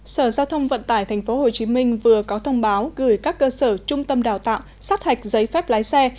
sở giao thông vận tải tp hcm vừa có thông báo gửi các cơ sở trung tâm đào tạo sát hạch giấy phép lái xe